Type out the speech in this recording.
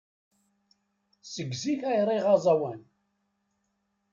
Seg zik ay riɣ aẓawan.